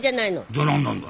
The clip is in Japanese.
じゃ何なんだ？